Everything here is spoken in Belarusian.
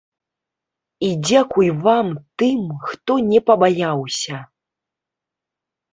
І дзякуй вам, тым, хто не пабаяўся!